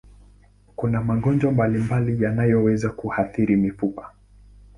Kuna magonjwa mbalimbali yanayoweza kuathiri mifupa.